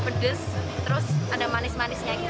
pedas terus ada manis manisnya gitu